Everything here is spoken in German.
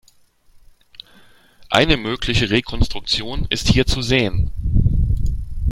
Eine mögliche Rekonstruktion ist hier zu sehen.